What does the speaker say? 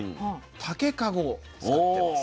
竹籠を使ってます。